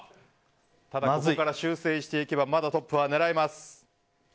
ただここから修正していけばまだトップは狙えます。